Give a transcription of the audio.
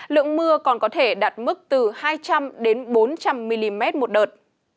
lượng mưa còn có thể đạt mức từ hai trăm linh bốn trăm linh mm một đợt